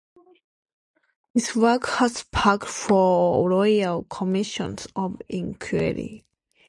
His work has sparked four Royal Commissions of Inquiry.